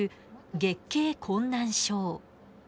月経困難症。